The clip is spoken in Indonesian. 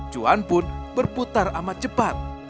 cuan pun berputar amat cepat